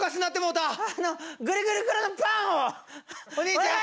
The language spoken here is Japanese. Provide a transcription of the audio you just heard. お兄ちゃん！